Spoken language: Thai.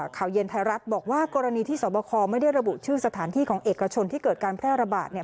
ข่าวเย็นไทยรัฐบอกว่ากรณีที่สวบคไม่ได้ระบุชื่อสถานที่ของเอกชนที่เกิดการแพร่ระบาดเนี่ย